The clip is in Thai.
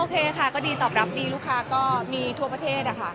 ค่ะก็ดีตอบรับดีลูกค้าก็มีทั่วประเทศอะค่ะ